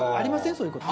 そういうこと。